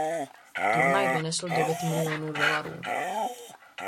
Turnaj vynesl devět milionů dolarů.